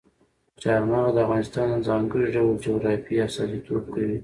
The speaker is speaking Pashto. چار مغز د افغانستان د ځانګړي ډول جغرافیې استازیتوب کوي.